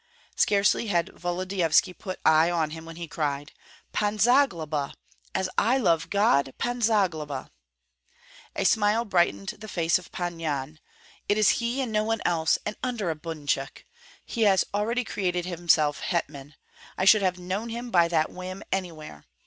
Scarcely had Volodyovski put eye on him when he cried, "Pan Zagloba! As I love God, Pan Zagloba!" A smile brightened the face of Pan Yan. "It is he, and no one else, and under a bunchuk! He has already created himself hetman. I should have known him by that whim anywhere.